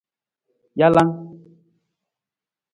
Jalang.